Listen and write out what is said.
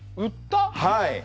はい。